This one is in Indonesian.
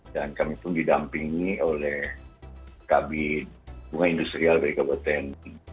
dan kami pun didampingi oleh kabin bunga industrial bkbtn